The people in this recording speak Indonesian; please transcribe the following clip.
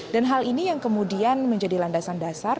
dan hal ini yang kemudian menjadi landasan dasar